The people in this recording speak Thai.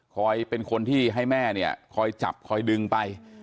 เป็นคนที่ให้แม่เนี่ยคอยจับคอยดึงไป